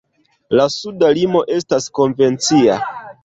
La suda limo estas konvencia.